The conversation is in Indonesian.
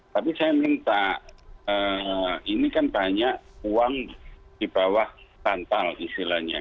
tapi saya minta ini kan banyak uang di bawah tantal istilahnya